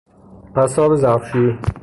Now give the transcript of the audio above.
پساب ظرفشوئی